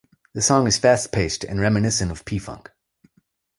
The song is fast-paced and reminiscent of P-Funk.